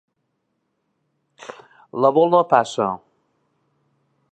La bola passa.